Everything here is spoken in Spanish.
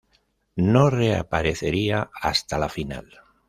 No reaparecería hasta la final.